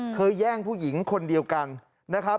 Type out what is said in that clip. แย่งผู้หญิงคนเดียวกันนะครับ